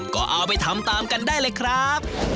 ก็เอาไปทำตามกันได้เลยครับ